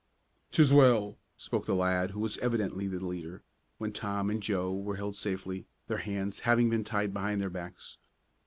"'Tis well," spoke the lad who was evidently the leader, when Tom and Joe were held safely, their hands having been tied behind their backs.